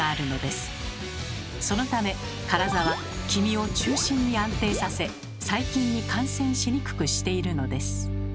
そのためカラザは黄身を中心に安定させ細菌に感染しにくくしているのです。